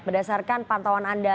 berdasarkan pantauan anda